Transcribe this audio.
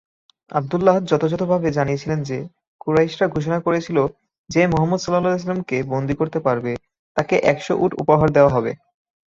আবদুল্লাহ যথাযথভাবে জানিয়েছিলেন যে, কুরাইশরা ঘোষণা করেছিল যে মুহাম্মদকে বন্দী করতে পারবে তাকে একশ উট উপহার দেওয়া হবে।